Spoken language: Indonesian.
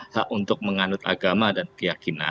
hak untuk menganut agama dan keyakinan